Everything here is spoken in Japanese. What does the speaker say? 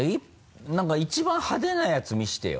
何か一番派手なやつ見してよ